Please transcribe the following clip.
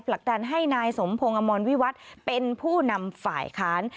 ประกาศให้นายสมโพงอมรวิวัติเป็นผู้นำฝ่ายค้าน